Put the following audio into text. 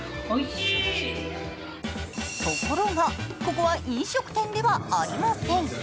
ところがここは飲食店ではありません。